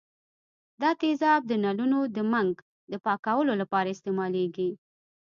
دا تیزاب د نلونو د منګ د پاکولو لپاره استعمالیږي.